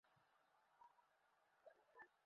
তার আসার সম্ভাবনা ছিল মাত্র দশভাগ।